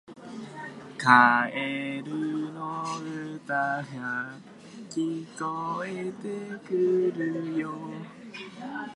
カエルの歌が聞こえてくるよ